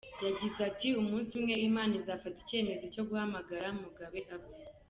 Yagize ati “Umunsi umwe Imana izafata icyemezo cyo guhamagara Mugabe apfe.